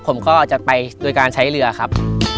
ผมก็จะไปโดยการใช้เรือครับ